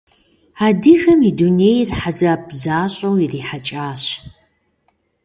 Адыгэм и дунейр хьэзаб защӀэу ирихьэкӀащ.